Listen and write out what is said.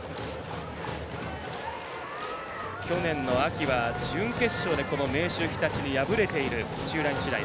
去年の秋は準決勝でこの明秀日立に敗れている土浦日大。